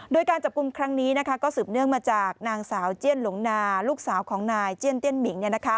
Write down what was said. โดยการจับกลุ่มครั้งนี้ก็สืบเนื่องมาจากนางสาวเจียนหลงนาลูกสาวของนายเจียนเตี้ยนหมิ่ง